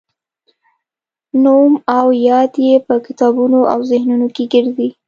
نوم او یاد یې په کتابونو او ذهنونو کې ګرځي.